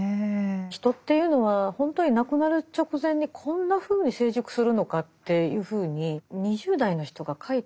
人っていうのは本当に亡くなる直前にこんなふうに成熟するのかっていうふうに２０代の人が書いたと思えない達観した文章なんですね。